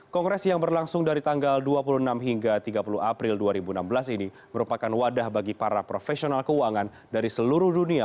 kongres yang berlangsung dari tanggal dua puluh enam hingga tiga puluh april dua ribu enam belas ini merupakan wadah bagi para profesional keuangan dari seluruh dunia